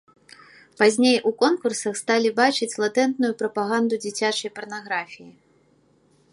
Пазней у конкурсах сталі бачыць латэнтную прапаганду дзіцячай парнаграфіі.